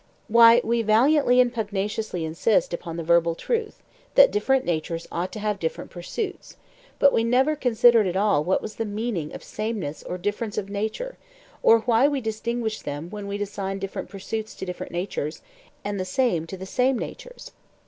Why we valiantly and pugnaciously insist upon the verbal truth, that different natures ought to have different pursuits, but we never considered at all what was the meaning of sameness or difference of nature, or why we distinguished them when we assigned different pursuits to different natures and the same to the same natures.